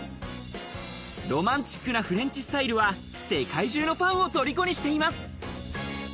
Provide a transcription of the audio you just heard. ロマンチックなフレンチスタイルは世界中のファンを虜にしています。